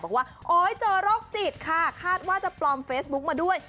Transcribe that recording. บอกว่าโอ๊ยเจอโรคจิตค่ะคาดว่าจะปลอมเฟซบุ๊กมาด้วย